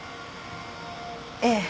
ええ。